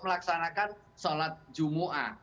melaksanakan sholat jumu'ah